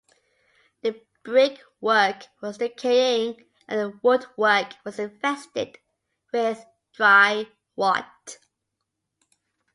The brickwork was decaying and the woodwork was infested with dry rot.